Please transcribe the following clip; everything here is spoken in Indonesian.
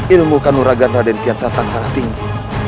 ilmu kanura raden ket santang sangat tinggi